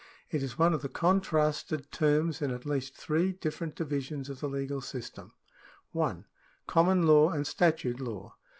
It is one of the contrasted §12] CIVIL LAW 33 terms in at least three different divisions of the legal system : 1. Common law and statute law.